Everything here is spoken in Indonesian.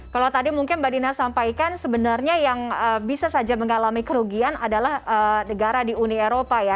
kalau tadi mungkin mbak dina sampaikan sebenarnya yang bisa saja mengalami kerugian adalah negara di uni eropa ya